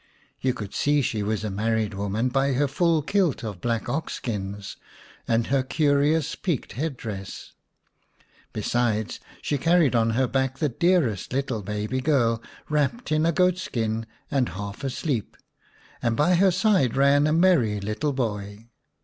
You could see she was a married woman by her full kilt of black ox skins and her curious peaked headdress. Besides, she carried on her back the dearest little baby girl, wrapt in a goat skin and half asleep, and by her side ran a merry little boy.